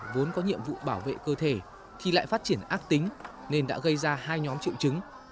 vốn có nhiệm vụ bảo vệ cơ thể thì lại phát triển ác tính nên đã gây ra hai nhóm triệu chứng